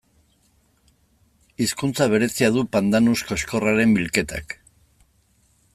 Hizkuntza berezia du pandanus koxkorraren bilketak.